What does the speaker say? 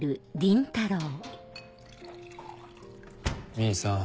兄さん。